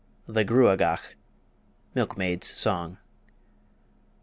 THE GRUAGACH. (MILKMAID'S SONG.)